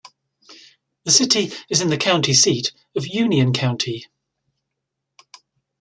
The city is the county seat of Union County.